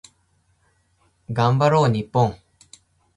頑張ろう日本